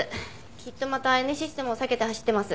きっとまたＮシステムを避けて走ってます。